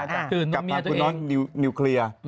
กลับมาคือน้อยนิวเคเรีย